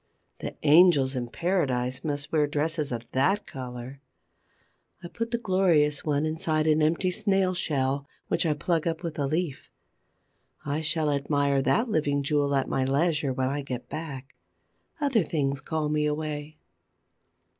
The angels in paradise must wear dresses of that color. I put the glorious one inside an empty snail shell, which I plug up with a leaf. I shall admire that living jewel at my leisure, when I get back. Other things call me away.